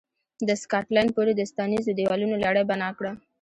د سکاټلند پورې د ساتنیزو دېوالونو لړۍ بنا کړه.